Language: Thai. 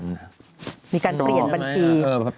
มีการเปลี่ยนบัญชี